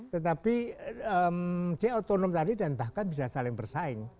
tetapi dia otonom tadi dan bahkan bisa saling bersaing